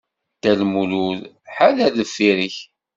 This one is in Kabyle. Dda Lmulud, ḥader deffir-k!